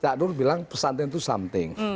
cak nur bilang pesan itu something